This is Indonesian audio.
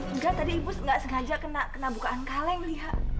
enggak tadi ibu nggak sengaja kena kena bukaan kaleng lihat